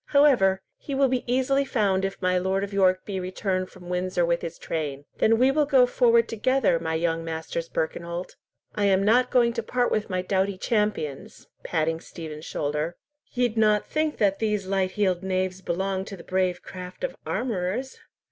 However, he will be easily found if my Lord of York be returned from Windsor with his train." "Then will we go forward together, my young Masters Birkenholt. I am not going to part with my doughty champions!"—patting Stephen's shoulder. "Ye'd not think that these light heeled knaves belonged to the brave craft of armourers?"